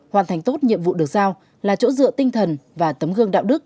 hoàn thành tốt nhiệm vụ được giao là chỗ dựa tinh thần và tấm gương đạo đức